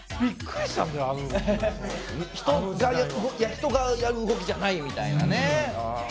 人がやる動きじゃないみたいな。